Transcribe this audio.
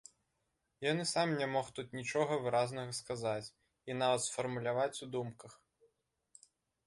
Ён і сам не мог тут нічога выразнага сказаць і нават сфармуляваць у думках.